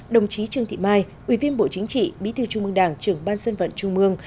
đồng chí trương thị mai ủy viên bộ chính trị bí thư trung mương đảng trưởng ban dân vận trung mương